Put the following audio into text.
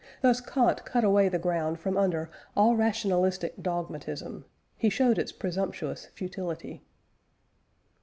Thus Kant cut away the ground from under all rationalistic dogmatism; he shewed its presumptuous futility.